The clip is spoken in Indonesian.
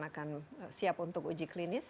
akan siap untuk uji klinis